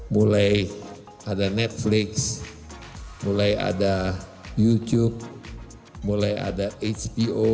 mulai ada netflix mulai ada youtube mulai ada hpo